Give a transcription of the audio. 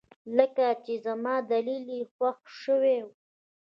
لکه چې زما دليل يې خوښ شوى و.